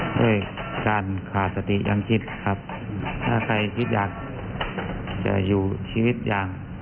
ด้วยการขาดสติยังคิดครับถ้าใครคิดอยากจะอยู่ชีวิตอย่าง